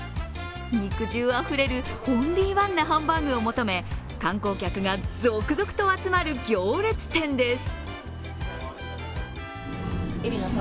肉汁あふれるオンリーワンなハンバーグを求め観光客が続々と集まる行列店です。